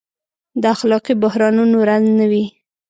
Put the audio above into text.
د اخلاقي بحرانونو رنځ نه وي.